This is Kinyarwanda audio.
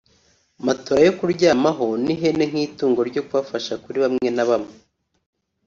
matora yo kuryamaho n’ihene nk’itungo ryo kubafasha kuri bamwe na bamwe